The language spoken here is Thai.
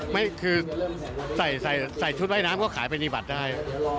ไม่คือใส่ใส่ชุดว่ายน้ำก็ขายปฏิบัติได้